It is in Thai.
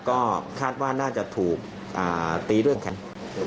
ก็คาดว่าน่าจะถูกตีด้วยแขน